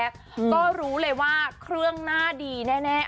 ก็รู้เลยว่าเครื่องหน้าดีแน่